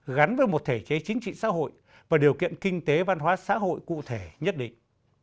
gắn với một thể chế chính trị xã hội và điều kiện kinh tế văn hóa xã hội cụ thể nhất định